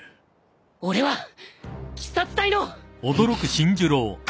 俺は鬼殺隊の。